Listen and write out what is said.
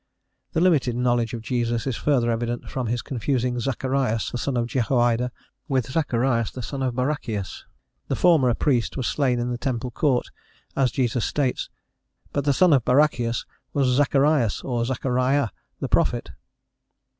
The limited knowledge of Jesus is further evident from his confusing Zacharias the son of Jehoiada with Zacharias the son of Barachias: the former, a priest, was slain in the temple court, as Jesus states; but the son of Barachias was Zacharias, or Zachariah, the prophet.